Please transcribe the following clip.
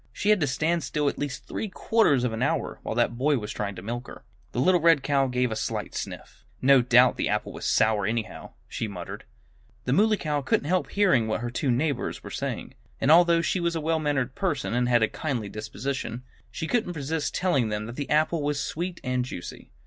"She had to stand still at least three quarters of an hour, while that boy was trying to milk her." The little red cow gave a slight sniff. "No doubt the apple was sour, anyhow," she muttered. The Muley Cow couldn't help hearing what her two neighbors were saying. And although she was a well mannered person and had a kindly disposition, she couldn't resist telling them that the apple was sweet and juicy.